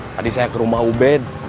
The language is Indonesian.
tadi saya ke rumah ubed